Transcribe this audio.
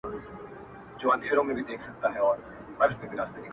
له کوم ځای له کوم کتابه یې راوړی،